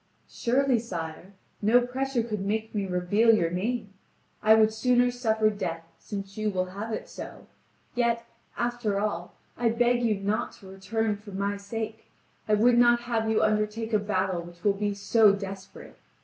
"Surely, sire, no pressure could make me reveal your name. I would sooner suffer death, since you will have it so. Yet, after all, I beg you not to return for my sake. I would not have you undertake a battle which will be so desperate.